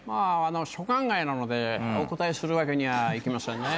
所管外なのでお答えするわけにはいきませんね。